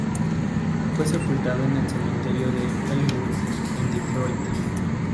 Fue sepultado en el cementerio de Elmwood en Detroit.